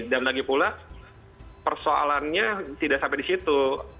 dan lagi pula persoalannya tidak sampai di situ